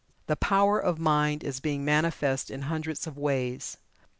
The Power of Mind is becoming manifest in hundreds of ways.